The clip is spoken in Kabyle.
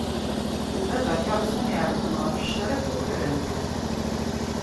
Ula d akalṣun iɛellqen ɣef ccriṭ, ukren-t!